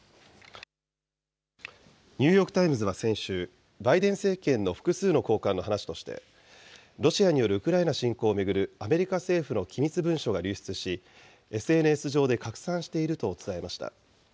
ニューヨーク・タイムズは先週、バイデン政権の複数の高官の話として、ロシアによるウクライナ侵攻を巡るアメリカ政府の機密文書が流出し、ＳＮＳ上で拡散していると伝えました。